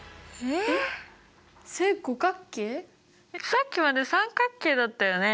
さっきまで三角形だったよね